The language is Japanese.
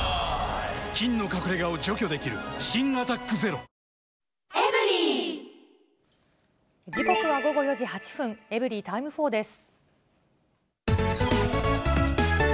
菌の隠れ家を除去できる新「アタックＺＥＲＯ」時刻は午後４時８分、エブリィタイム４です。